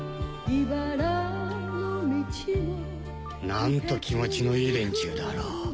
なんと気持ちのいい連中だろう。